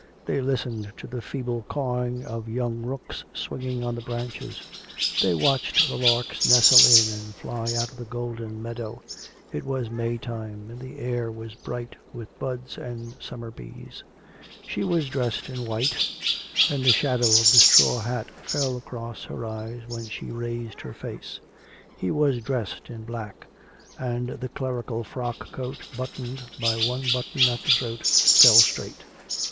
They listened to the feeble cawing of young rooks swinging on the branches. They watched the larks nestle in and fly out of the golden meadow. It was May time, and the air was bright with buds and summer bees. She was dressed in white, and the shadow of the straw hat fell across her eyes when she raised her face. He was dressed in black, and the clerical frock coat, buttoned by one button at the throat, fell straight.